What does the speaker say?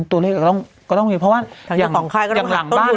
ตัวเลขก็ต้องมีเพราะว่าอย่างหลังบ้าน